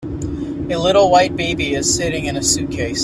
A little white baby is sitting in a suitcase.